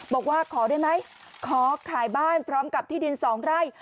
บอกว่าขอได้ไหมขอขายบ้านพร้อมกับที่ดิน๒ไร่